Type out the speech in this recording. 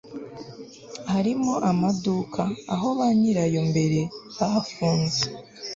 harimo amaduka aho ba nyirayo mbere bahafunze